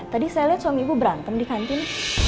tadi saya lihat suami ibu berantem di kantin